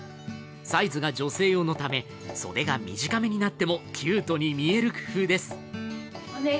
サイズが女性用のため、袖が短めになってもキュートに見える工夫です。